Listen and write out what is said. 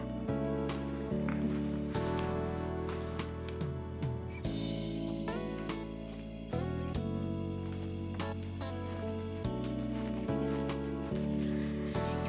nah jelas ya pa